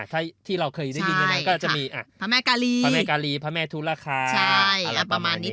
ถ้าที่เราเคยได้ยินอย่างนั้นก็จะมีพระแม่กาลีพระแม่ทุรคาอะไรประมาณนี้